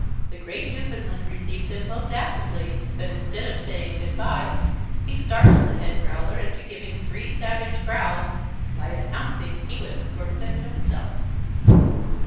The great Newfoundland received them most affably but instead of saying "good bye" he startled the Head growler into giving three savage growls, by announcing that he would escort them himself.